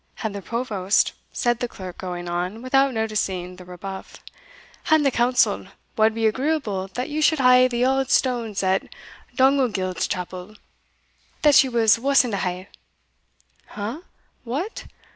"And the provost," said the clerk, going on, without noticing the rebuff, "and the council, wad be agreeable that you should hae the auld stones at Donagild's chapel, that ye was wussing to hae." "Eh! what?